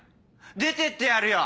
出てってやるよ！